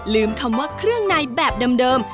คำว่าเครื่องในแบบเดิม